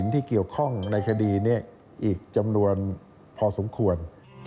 ที่เกี่ยวข้องในคดีนี้อีกจำนวนพอสมควร